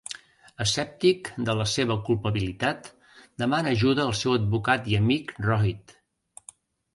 Escèptic de la seva culpabilitat, demana ajuda al seu advocat i amic Rohit.